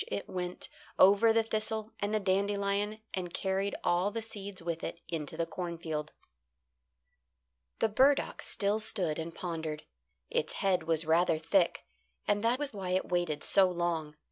it went over the thistle and the dandelion and carried all the seeds with it into the cornfield. The burdock still stood and pondered. Its head was rather thick, and that was why it waited so long.